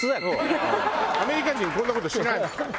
アメリカ人こんな事しないもん。